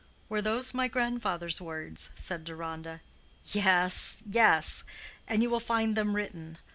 "Were those my grandfather's words?" said Deronda. "Yes, yes; and you will find them written.